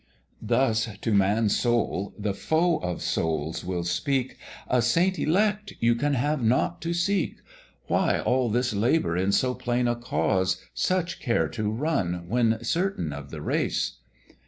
"Thus to Man's soul the Foe of Souls will speak, 'A Saint elect, you can have nought to seek; Why all this labour in so plain a case, Such care to run, when certain of the race?'